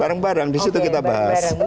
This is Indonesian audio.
bareng bareng di situ kita bahas oke bareng bareng